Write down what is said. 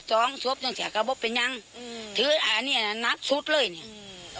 สองสวบจนแสกเป็นยังอืมถืออันนี้นับชุดเลยเนี้ยอืม